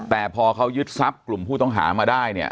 แต่พอเขายึดทรัพย์กลุ่มผู้ต้องหามาได้เนี่ย